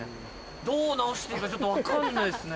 どう直していいかちょっと分かんないっすね。